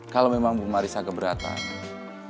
kalo memang bu marissa keberatan